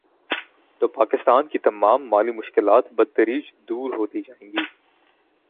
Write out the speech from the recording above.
تو پاکستان کی تمام مالی مشکلات بتدریج دور ہوتی جائیں گی۔